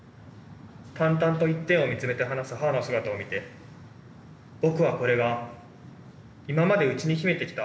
淡々と一点を見つめて話す母の姿を見て僕はこれが今まで内に秘めてきた母の本音のように思えた。